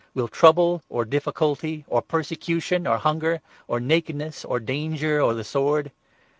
Will trouble, or difficulty, or persecution, or hunger, or nakedness, or danger, or the sword